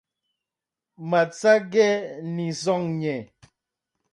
Matsàgə̀ nɨ̀sɔ̀ŋ.